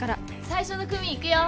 最初の組いくよ